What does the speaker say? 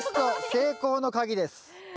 成功の鍵です。